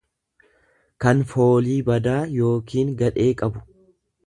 kan foolii badaa yookiin gadhee qabu.